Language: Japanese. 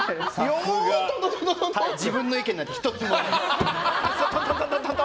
自分の意見なんて１つも言わないで。